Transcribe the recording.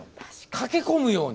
駆け込むように。